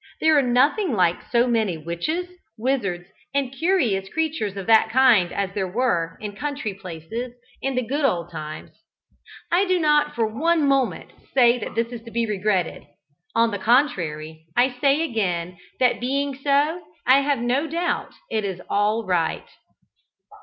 There are nothing like so many witches, wizards and curious creatures of that kind as there were, in country places, in the good old times. I do not for one moment say that this is to be regretted. On the contrary, I say again, that being so, I have no doubt it is "all right."